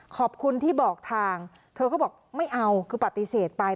ขอบคุณที่บอกทางเธอก็บอกไม่เอาคือปฏิเสธไป